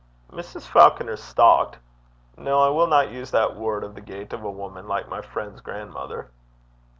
Mrs. Falconer stalked No, I will not use that word of the gait of a woman like my friend's grandmother.